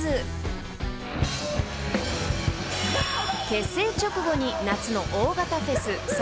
［結成直後に夏の大型フェス